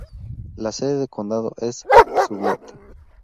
La sede de condado es Sublette.